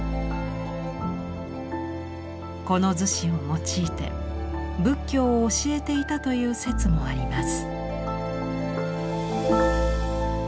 この厨子を用いて仏教を教えていたという説もあります。